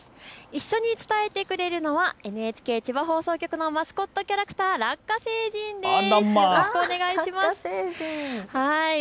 一緒に伝えてくれるのはＮＨＫ千葉放送局のマスコットキャラクター、ラッカ星人です。